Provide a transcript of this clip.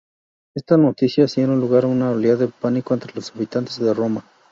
Estas noticias dieron lugar a una oleada de pánico entre los habitantes de Roma.